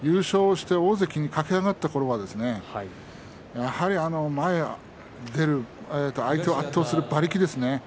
優勝して大関に駆け上がったころはやはり前に出る相手を圧倒する馬力ですね。